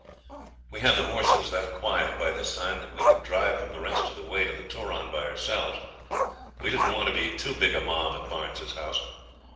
We had the horses that quiet by this time that we could drive them the rest of the way to the Turon by ourselves. We didn't want to be too big a mob at Barnes's house.